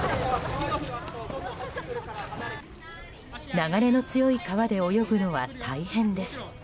流れの強い川で泳ぐのは大変です。